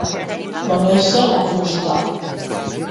Conèixer la fusta.